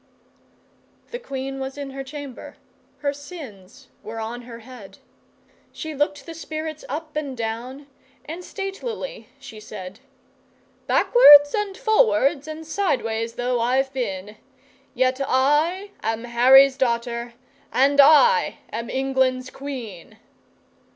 The Queen was in her chamber; her sins were on her head; She looked the spirits up and down and statelily she said: 'Backwards and forwards and sideways though I've been, Yet I am Harry's daughter and I am England's Queen!